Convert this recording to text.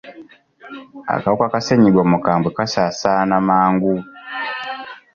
Akawuka ka ssenyiga omukambwe kasaasaana mangu.